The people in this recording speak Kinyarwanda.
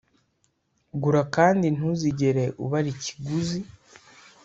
gura kandi ntuzigere ubara ikiguzi;